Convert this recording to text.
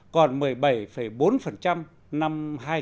còn một mươi bảy bốn năm hai nghìn một mươi